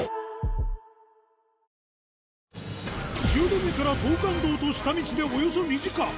汐留から東関道と下道でおよそ２時間。